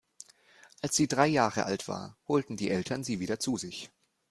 Als sie drei Jahre alt war, holten die Eltern sie wieder zu sich.